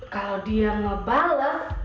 kalau dia ngebales